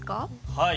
はい。